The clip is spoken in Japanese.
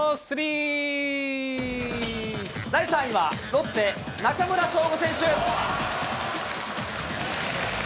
第３位はロッテ、中村奨吾選手。